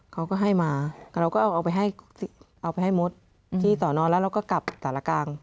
เขาก็ให้มาเราก็เอาไปให้เอาไปให้มดที่สอนอนแล้วเราก็กลับสารกลาง